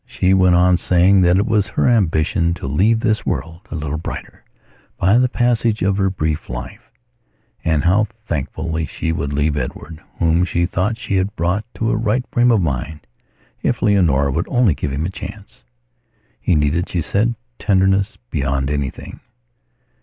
She went on saying that it was her ambition to leave this world a little brighter by the passage of her brief life, and how thankfully she would leave Edward, whom she thought she had brought to a right frame of mind, if Leonora would only give him a chance. He needed, she said, tenderness beyond anything.